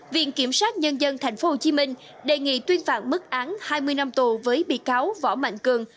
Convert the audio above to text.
viện kiểm sát nhân dân tp hcm đề nghị tuyên phạm mức án hai mươi năm tù với bị cáo võ mạnh cường